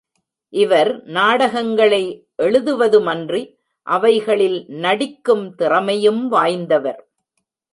இவர் நாடகங்களை எழுதுவதுமன்றி, அவைகளில் நடிக்கும் திறமையும் வாய்ந்தவர்.